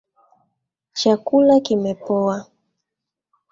Chakula kimepoa.